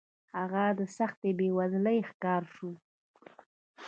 هغه د سختې بېوزلۍ ښکار شوی و.